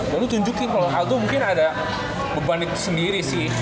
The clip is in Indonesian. baru lo tunjukin kalau aldo mungkin ada beban itu sendiri sih